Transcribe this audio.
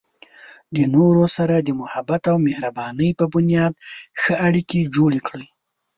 د نورو سره د محبت او مهربانۍ په بنیاد ښه اړیکې جوړې کړئ.